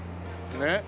ねっ。